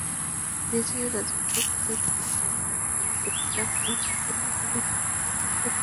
নিজ রাজত্বকালে তাঁকে বারবার তাঁর উচ্চাকাঙ্ক্ষী কনিষ্ঠ ভ্রাতা ষষ্ঠ বিক্রমাদিত্যের প্রতিদ্বন্দ্বিতার মুখে পড়তে হয়েছিল।